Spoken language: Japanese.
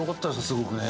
すごくね。